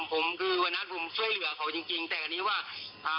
ผมคือวันนั้นผมช่วยเหลือเขาจริงจริงแต่อันนี้ว่าอ่า